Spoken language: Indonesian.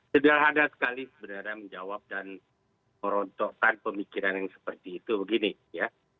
sederhana sekali sebenarnya menjawab dan merontokkan pemikiran yang seperti itu begini ya